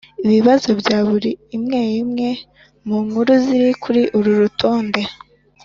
Ibibazo bya buri imwe imwe mu nkuru ziri kuri uru rutonde